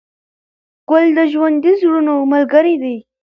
ګل د ژوندي زړونو ملګری دی.